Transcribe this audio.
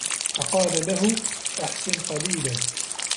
فَقَالَ لَهُ أَحْسِنْ قَلِيلًا